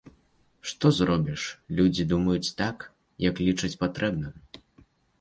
Што зробіш, людзі думаюць так, як лічаць патрэбным!